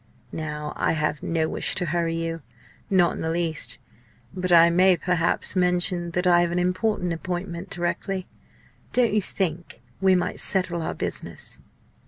Now I have no wish to hurry you not in the least, but I may perhaps mention that I have an important appointment directly. Don't you think we might settle our business?"